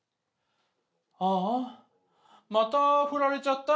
「ああまたふられちゃった」。